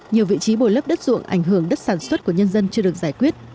nhiều vị trí bồi lấp đất ruộng ảnh hưởng đất sản xuất của nhân dân chưa được giải quyết